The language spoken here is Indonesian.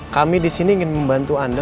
kami disini ingin membantu anda